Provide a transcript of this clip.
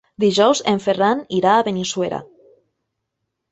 Dijous en Ferran irà a Benissuera.